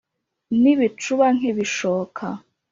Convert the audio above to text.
N’ ibicuba nk’ ibishoka